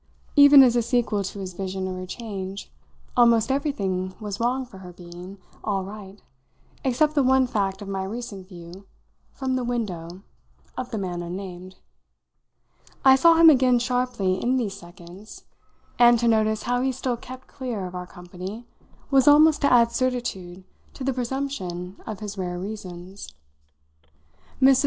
Even as a sequel to his vision of her change, almost everything was wrong for her being all right except the one fact of my recent view, from the window, of the man unnamed. I saw him again sharply in these seconds, and to notice how he still kept clear of our company was almost to add certitude to the presumption of his rare reasons. Mrs.